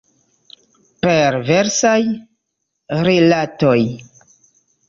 Perversaj rilatoj.